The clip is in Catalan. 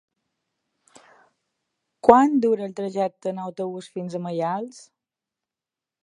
Quant dura el trajecte en autobús fins a Maials?